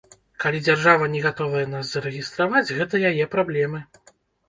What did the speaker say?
Калі дзяржава не гатовая нас зарэгістраваць, гэта яе праблемы.